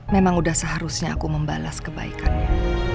memang sudah seharusnya aku membalas kebaikannya